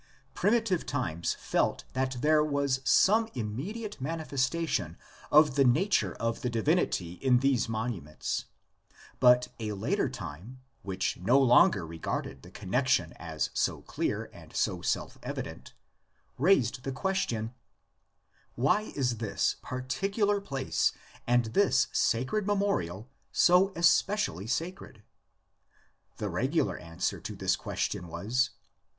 Primitive times felt that there was some immediate manifestation of the nature of the divinity in these monuments, but a later time, which no longer regarded the connexion as so clear and so self evident, raised the question, Why is this particular place and this sacred memorial so especially sacred? The regular answer to this question was.